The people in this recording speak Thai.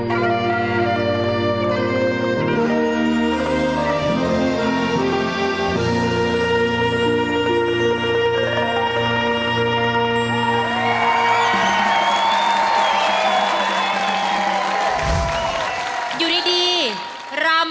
กล้องเสียด้วยนะครับ